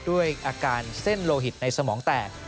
ด้วยอาการเส้นโลหิตในสมองแตก